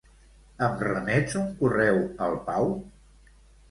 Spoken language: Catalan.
Em remets un correu al Pau?